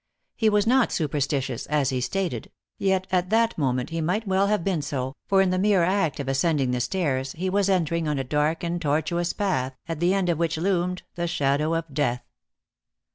He was not superstitious, as he stated; yet at that moment he might well have been so, for in the mere act of ascending the stairs he was entering on a dark and tortuous path, at the end of which loomed the shadow of death.